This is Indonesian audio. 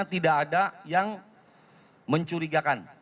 tidak ada yang mencurigakan